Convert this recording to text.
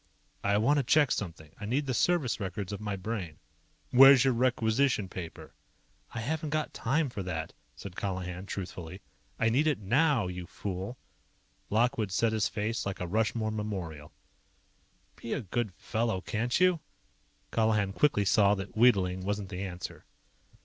"I want to check something. I need the service records of my Brain." "Where's your Requisition Paper?" "I haven't got time for that," said Colihan truthfully. "I need it now, you fool." Lockwood set his face like a Rushmore memorial. "Be a good fellow, can't you?" Colihan quickly saw that wheedling wasn't the answer.